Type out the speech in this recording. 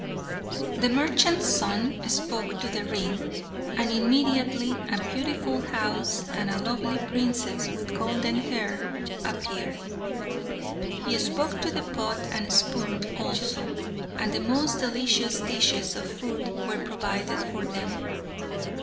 The merchant's son spoke to the ring, and immediately a beautiful house and a lovely princess with golden hair appeared. He spoke to the pot and spoon, also, and the most delicious dishes of food were provided for them.